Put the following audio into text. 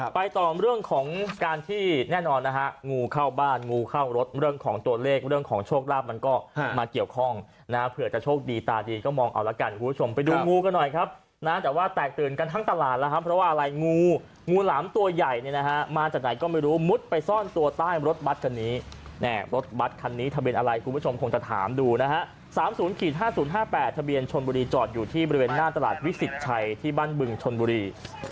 ไปต่อเรื่องของการที่แน่นอนนะฮะงูเข้าบ้านงูเข้ารถเรื่องของตัวเลขเรื่องของโชคลาภมันก็มาเกี่ยวข้องนะเผื่อจะโชคดีตาดีก็มองเอาละกันคุณผู้ชมไปดูงูกันหน่อยครับนะแต่ว่าแตกตื่นกันทั้งตลาดแล้วครับเพราะว่าอะไรงูงูหลามตัวใหญ่เนี่ยนะฮะมาจากไหนก็ไม่รู้มุดไปซ่อนตัวใต้รถบัตรคันนี้เนี่ยรถบัตรคันนี้